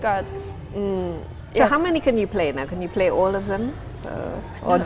jadi berapa banyak yang kamu bisa mempelajari sekarang